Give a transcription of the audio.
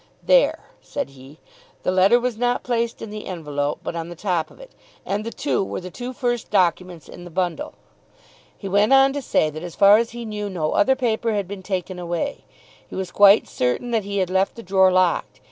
"There," said he, "the letter was not placed in the envelope but on the top of it, and the two were the two first documents in the bundle." He went on to say that as far as he knew no other paper had been taken away. He was quite certain that he had left the drawer locked.